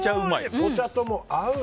お茶とも合う。